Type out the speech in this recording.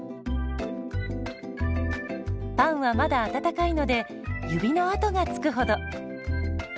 パンはまだ温かいので指の跡がつくほど。